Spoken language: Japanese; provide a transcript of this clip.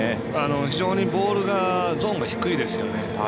非常にボールがゾーンが低いですよね。